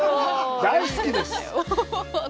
大好きです。